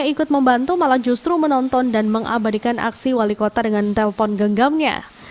yang ikut membantu malah justru menonton dan mengabadikan aksi wali kota dengan telpon genggamnya